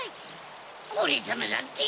オレさまだって！